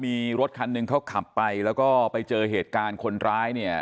มีรถคันหนึ่งเขาขับไปแล้วก็ไปเจอเหตุการณ์คนร้ายเนี่ย